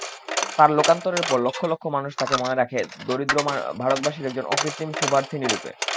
তাঁর লোকান্তরের পর লক্ষ লক্ষ মানুষ তাঁকে মনে রাখবে দরিদ্র ভারতবাসীর একজন অকৃত্রিম শুভার্থিনীরূপে।